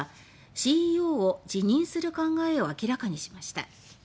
ＣＥＯを辞任する考えを明らかにしました。